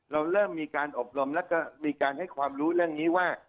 เราเริ่มมีการอบรมแล้วก็มีการให้ความรู้เรื่องนี้ว่า